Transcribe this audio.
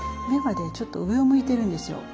目はねちょっと上を向いてるんですよ。